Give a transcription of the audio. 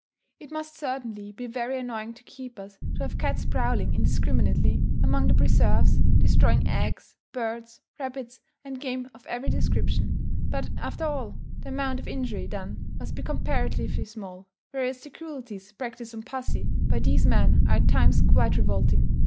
_ It must certainly be very annoying to keepers, to have cats prowling indiscriminately among the preserves, destroying eggs, birds, rabbits, and game of every description; but, after all, the amount of injury done must be comparatively small; whereas the cruelties practised on pussy by these men are at times quite revolting.